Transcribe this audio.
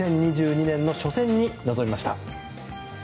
２０２２年の初戦に臨みました。